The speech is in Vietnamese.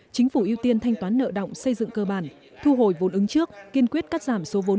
chính phủ ưu tiên thanh toán nợ động xây dựng cơ bản thu hồi vốn ứng trước kiên quyết cắt giảm số vốn